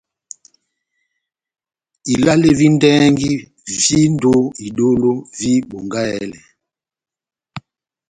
Ilale vi ndɛhɛgi víndi ó idólo vi Bongahɛlɛ.